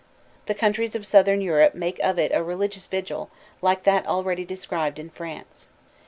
The countries of southern Europe make of it a religious vigil, like that already described in France.